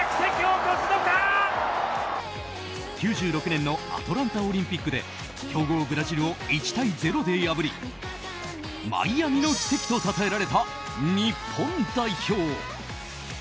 ９６年のアトランタオリンピックで強豪ブラジルを１対０で破りマイアミの奇跡とたたえられた日本代表。